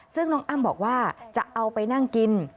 ซึ่งน้องอ้ำบอกว่าจะเอาไปนั่งกิน